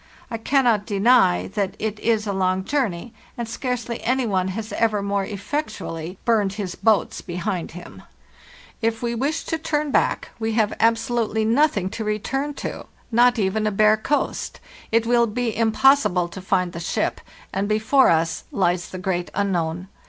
I cannot deny that it is a long journey, and scarcely any one has ever more effectually burned his boats behind him. If we 86 FARTHEST NORTH wished to turn back we have absolutely nothing to return to, not even a bare coast. It will be impossible to find the ship, and before us lies the great unknown.